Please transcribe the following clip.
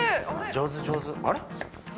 上手上手あれっ？